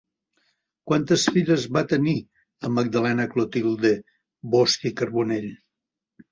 Quantes filles va tenir amb Magdalena Clotilde Bosch i Carbonell?